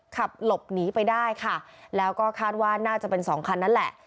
ขับหลบหนีไปได้ค่ะแล้วก็คาดว่าน่าจะเป็นสองคันนั้นแหละ